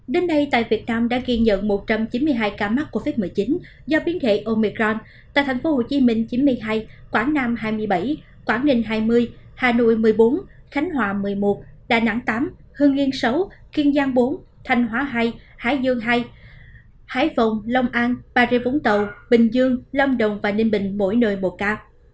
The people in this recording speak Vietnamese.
đến đây tại việt nam đã ghi nhận một trăm chín mươi hai ca mắc covid một mươi chín do biến thể omicron tại tp hcm chín mươi hai quảng nam hai mươi bảy quảng ninh hai mươi hà nội một mươi bốn khánh hòa một mươi một đà nẵng tám hương yên sáu kiên giang bốn thành hóa hai hải dương hai hải phòng lông an bà rê vũng tàu bình dương lâm đồng và ninh bình mỗi nơi một ca